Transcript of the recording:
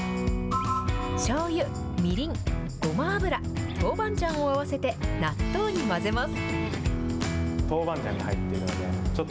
しょうゆ、みりん、ごま油、豆板醤を合わせて納豆に混ぜます。